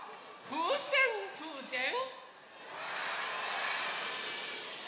ふうせんふうせん。